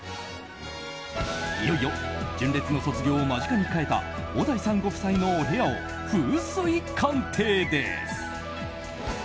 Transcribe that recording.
いよいよ純烈の卒業を間近に控えた小田井さんご夫妻のお部屋を風水鑑定です。